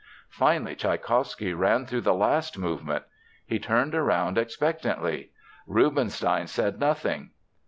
Finally, Tschaikowsky ran through the last movement. He turned around expectantly. Rubinstein said nothing.